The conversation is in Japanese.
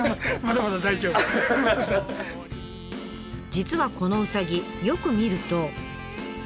実はこのうさぎよく見ると。